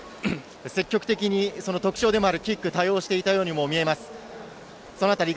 積極的に特徴でもあるキックを多用していたようにも見えます。